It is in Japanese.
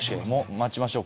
待ちましょう。